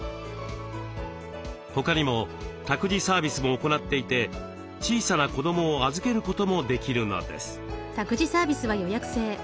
他にも託児サービスも行っていて小さな子どもを預けることもできるのです。